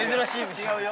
違うよ。